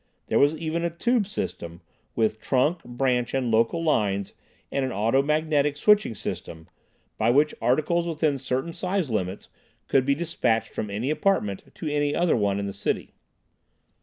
There was even a tube system, with trunk, branch and local lines and an automagnetic switching system, by which articles within certain size limits could be despatched from any apartment to any other one in the city.